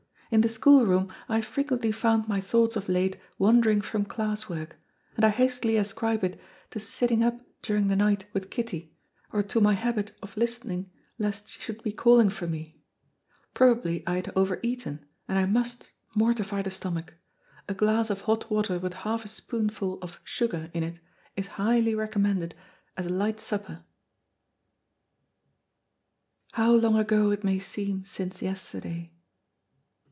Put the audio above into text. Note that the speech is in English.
In the school room I have frequently found my thoughts of late wandering from classwork, and I hastily ascribed it to sitting up during the night with Kitty or to my habit of listening lest she should be calling for me. Probably I had over eaten, and I must mortify the stomach. A glass of hot water with half a spoonful of sugar in it is highly recommended as a light supper." "How long ago it may seem since yesterday!"